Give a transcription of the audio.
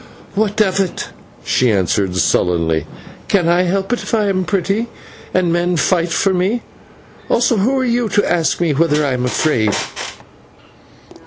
"What of it?" she answered, sullenly; "can I help it if I am pretty, and men fight for me? Also, who are you who ask me whether I am afraid?"